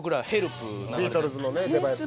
ビートルズのね出囃子。